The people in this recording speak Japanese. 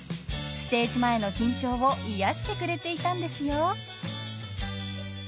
［ステージ前の緊張を癒やしてくれていたんですよ］